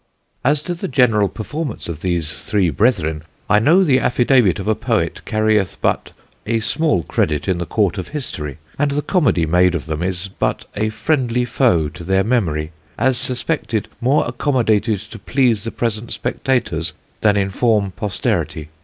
"As to the generall performance of these three brethren, I know the Affidavit of a Poet carrieth but a small credit in the court of History; and the Comedy made of them is but a friendly foe to their Memory, as suspected more accomodated to please the present spectators, then inform posterity.